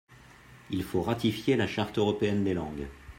Il faut ratifier la Charte européenne des langues.